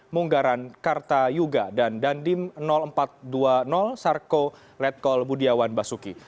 munggaran kartayuga dan dandim empat ratus dua puluh sarko letkol budiawan basuki